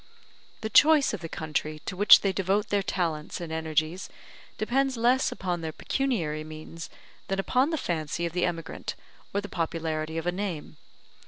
The choice of the country to which they devote their talents and energies depends less upon their pecuniary means than upon the fancy of the emigrant or the popularity of a name.